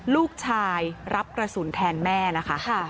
ลูกชายรับกระสุนแทนแม่นะคะ